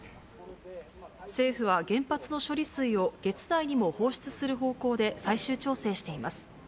政府は原発の処理水を月内にも放出する方向で最終調整しています。